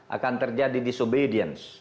akan terjadi disobedience